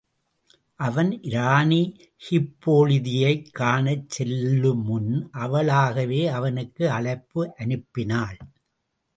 அவன் இராணி ஹிப்போலிதையைக் காணச் செல்லுமுன், அவளாகவே அவனுக்கு அழைப்பு அனுப்பினாள்.